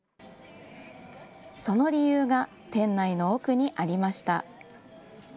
その理由が店内の奥にありました。